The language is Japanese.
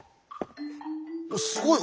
すごい。